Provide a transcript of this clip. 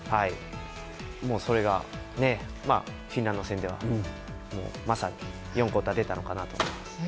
それが、フィンランド戦ではまさに４クオーター出たのかなと思います。